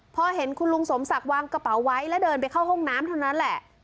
พอเห็นคุณลุงสมศักดิ์วางกระเป๋าไว้แล้วเดินไปเข้าห้องน้ำเท่านั้นแหละ